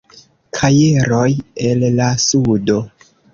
Kajeroj el la Sudo.